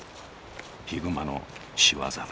ヒグマの仕業だ。